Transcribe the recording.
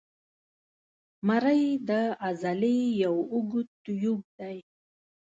مرۍ د عضلې یو اوږد تیوب دی.